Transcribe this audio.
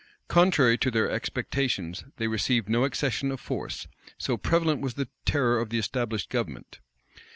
Contrary to their expectations, they received no accession of force; so prevalent was the terror of the established government.